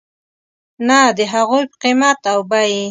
نه د هغوی په قیمت او بیې .